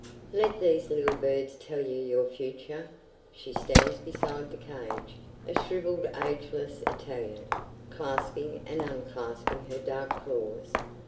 "Let these little birds tell you your future!" She stands beside the cage, a shrivelled ageless Italian, clasping and unclasping her dark claws.